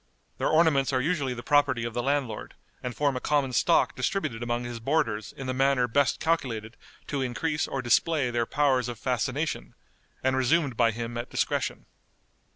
Their ornaments are usually the property of the landlord, and form a common stock distributed among his boarders in the manner best calculated to increase or display their powers of fascination, and resumed by him at discretion.